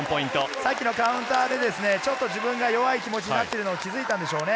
さっきのカウンターで自分が弱い気持ちになっているのに気づいたんでしょうね。